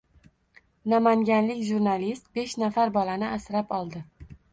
Namanganlik jurnalistbeshnafar bolani asrab oldi